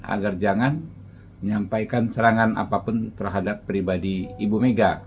agar jangan menyampaikan serangan apapun terhadap pribadi ibu mega